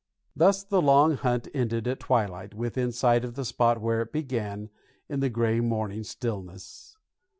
Thus the long hunt ended at twilight within sight of the spot where it began in the gray morning stillness.